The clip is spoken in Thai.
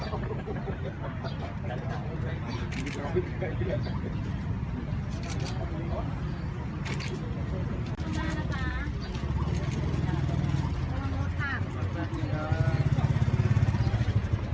ขอบคุณค่ะ